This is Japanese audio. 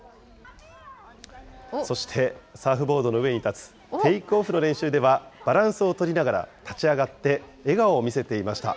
そして、サーフボードの上に立つテイクオフの練習では、バランスを取りながら立ち上がって笑顔を見せていました。